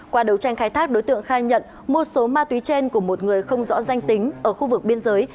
qua đấu tranh khai thác đối tượng khai nhận mua số ma túy trên của một người không rõ danh tính ở khu vực biên giới